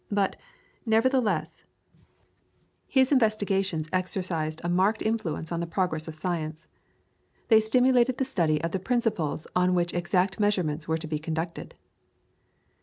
But, nevertheless, his investigations exercised a marked influence on the progress of science; they stimulated the study of the principles on which exact measurements were to be conducted.